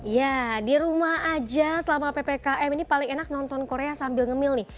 ya di rumah aja selama ppkm ini paling enak nonton korea sambil ngemil nih